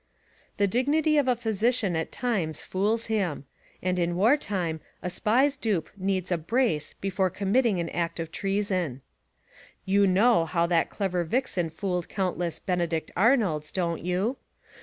The dignity of a physician at times fools him; and in war time a SPY'S dupe needs a brace before committing an act of treason. You know how that clever vixen fooled countless "Benedict Arnolds," don't you?